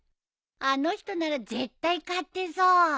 あの人なら絶対買ってそう。